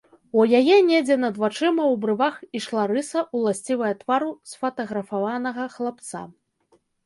У яе недзе над вачыма, у брывах, ішла рыса, уласцівая твару сфатаграфаванага хлапца.